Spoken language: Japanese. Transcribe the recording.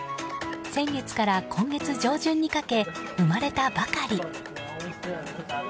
先月から今月上旬にかけ生まれたばかり。